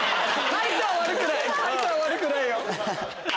海人は悪くないよ！